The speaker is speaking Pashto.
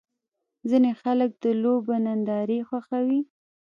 ځینې خلک د لوبو نندارې خوښوي.